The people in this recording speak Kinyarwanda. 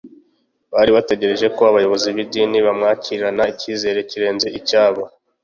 Bari bategereje ko abayobozi b’idini bamwakirana icyizere kirenze icyabo